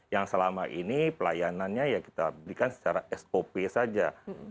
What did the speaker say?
yang selama ini pelayanannya ya kita berikan secara sop saja